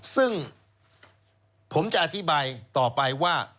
ซึ่งผมจะอธิบายต่อไปว่า